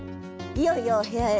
いよいよお部屋へ。